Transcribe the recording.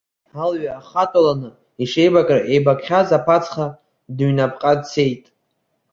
Алҩа ахатәаланы, ишеибакра еибакхьаз аԥацха дныҩнапҟа дцеит.